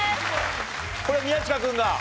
これ宮近君が。